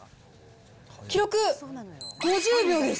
記録、５０秒です。